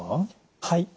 はい。